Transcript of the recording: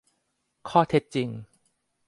ข้อเท็จจริง